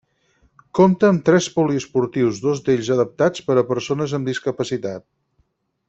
Compta amb tres poliesportius dos d'ells adaptats per a persones amb discapacitat.